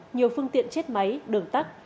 nhiều phương tiện chết máy đường tắt